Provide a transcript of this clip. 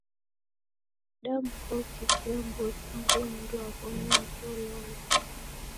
Damkua ukifunya mbori angu mundu wa w'omi wake wolwala.